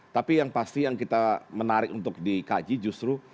tapi yang pasti yang kita menarik untuk dikaji justru